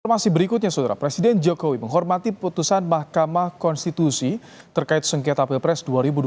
informasi berikutnya saudara presiden jokowi menghormati putusan mahkamah konstitusi terkait sengketa pilpres dua ribu dua puluh